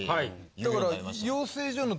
だから。